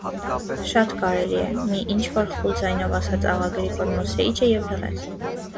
շատ կարելի է,- մի ինչ-որ խուլ ձայնով ասաց աղա Գրիգոր Մոսեիչը և լռեց: